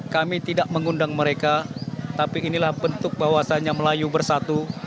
kami tidak mengundang mereka tapi inilah bentuk bahwasannya melayu bersatu